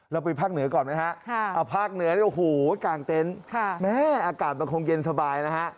เราไปภาคเหนือก่อนนะครับภาคเหนือก่อนโอ้โหกลางเต็นต์แม่อากาศมันคงเย็นสบายนะครับ